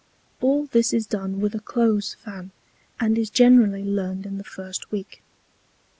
All this is done with a close Fan, and is generally learned in the first Week.